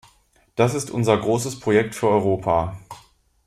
Das ist unser großes Projekt für Europa.